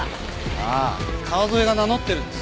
ああ川添が名乗ってるんです。